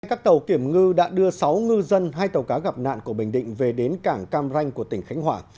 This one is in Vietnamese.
các tàu kiểm ngư đã đưa sáu ngư dân hai tàu cá gặp nạn của bình định về đến cảng cam ranh của tỉnh khánh hòa